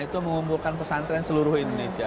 itu mengumpulkan pesantren seluruh indonesia